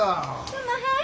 すんまへん。